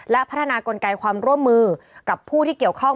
และพัฒนากลไกความร่วมมือกับผู้ที่เกี่ยวข้อง